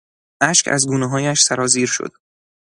اشک از گونههایش سرازیر شد.